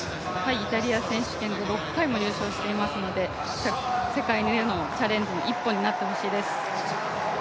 イタリア選手権で６回も優勝していますので、世界へのチャレンジの一歩になってほしいです。